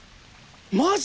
マジ！？